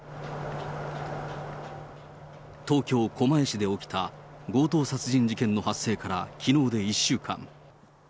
東京・狛江市で起きた強盗殺人事件の発生から、きのうで１週間。